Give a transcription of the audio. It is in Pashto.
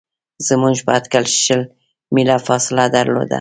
زموږ په اټکل شل میله فاصله درلوده.